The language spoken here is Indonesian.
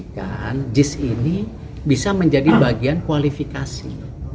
jis ini bisa menjadi bagian kualifikasi